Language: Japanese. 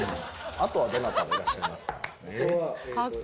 あとはどなたがいらっしゃいますか？